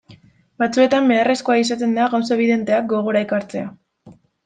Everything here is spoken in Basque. Batzuetan beharrezkoa izaten da gauza ebidenteak gogora ekartzea.